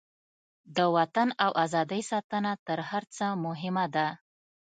د وطن او ازادۍ ساتنه تر هر څه مهمه ده.